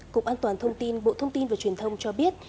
cục an toàn thông tin bộ thông tin và truyền thông cho biết